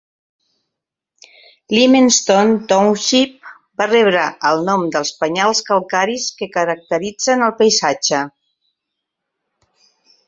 Limestone Township va rebre el nom pels penyals calcaris que caracteritzen el paisatge.